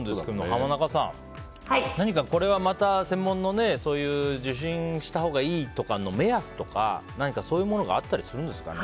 浜中さん、これは何か専門の受診したほうがいいとかの目安とか何か、そういうものがあったりするんですか？